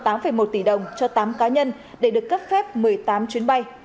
tám một tỷ đồng cho tám cá nhân để được cấp phép một mươi tám chuyến bay